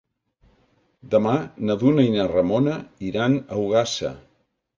Demà na Duna i na Ramona iran a Ogassa.